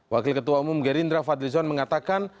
wakil ketua umum gerindra fadlizon mengatakan